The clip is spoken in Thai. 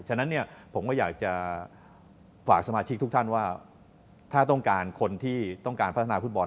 ฉะนั้นเนี่ยผมก็อยากจะฝากสมาชิกทุกท่านว่าถ้าต้องการคนที่ต้องการพัฒนาฟุตบอล